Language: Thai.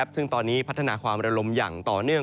ซึ่งตอนนี้พัฒนาความระลมอย่างต่อเนื่อง